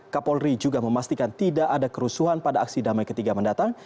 kapolri juga memastikan tidak ada kerusuhan pada aksi damai ketiga mendatang